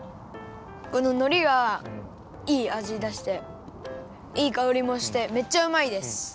こののりがいいあじだしていいかおりもしてめっちゃうまいです。